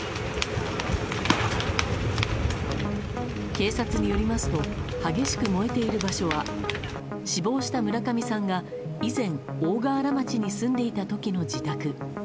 警察によりますと激しく燃えている場所は死亡した村上さんが以前、大河原町に住んでいた時の自宅。